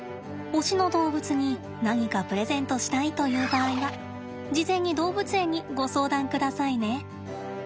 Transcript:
推しの動物に何かプレゼントしたいという場合は事前に動物園にご相談くださいね。